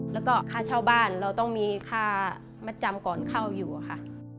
แล้วก็ค่าเช่าบ้านเราต้องมีค่ามัดจำก่อนเข้าอยู่อะค่ะ